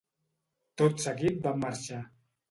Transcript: Tot seguit van marxar.